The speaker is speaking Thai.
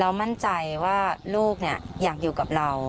มั่นใจว่าลูกอยากอยู่กับเรา